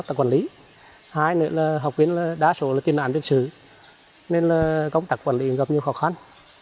thứ hai là học viên đá sổ là tiên đoạn đơn sử nên công tập quản lý gặp nhiều khó khăn